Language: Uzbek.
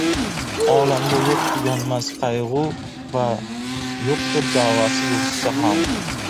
Olamda yo‘q tuganmas qayg‘u Va yo‘qdir davasiz g‘ussa ham.